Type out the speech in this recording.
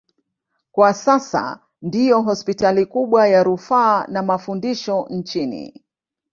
Kwa sasa ndiyo hospitali kubwa ya rufaa na mafundisho nchini.